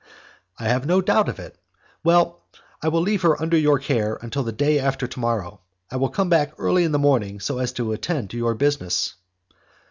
"I have no doubt of it. Well, I will leave her under your care until the day after to morrow. I will come back early in the morning so as to attend to your business."